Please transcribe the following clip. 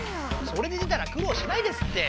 それで出たらくろうしないですって。